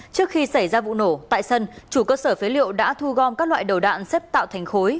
trước khi xảy ra vụ nổ tại sân chủ cơ sở phế liệu đã thu gom các loại đầu đạn xếp tạo thành khối